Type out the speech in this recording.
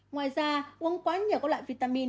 ngoài ra uống quá nhiều các loại vitamin